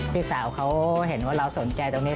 พี่สาวเขาเห็นว่าเราสนใจตรงนี้